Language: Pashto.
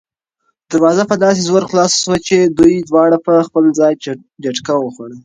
دروازه په داسې زور خلاصه شوه چې دوی دواړه په خپل ځای جټکه وخوړه.